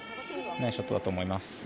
ナイスショットだと思います。